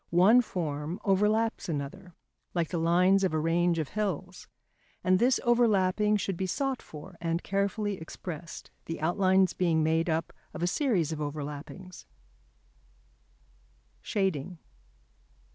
One form overlaps another, like the lines of a range of hills. And this overlapping should be sought for and carefully expressed, the outlines being made up of a series of overlappings. [Sidenote: Shading.